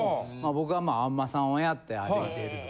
僕があん摩さんをやって歩いていると。